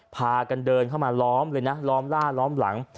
พากันเดินเข้ามาล้อมเลยนะล้อมล่าล้อมหลัง